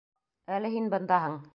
Әле һин бындаһың.